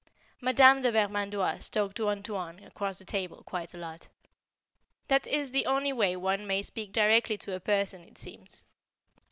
Madame de Vermandoise talked to "Antoine" across the table quite a lot. That is the only way one may speak directly to a person, it seems.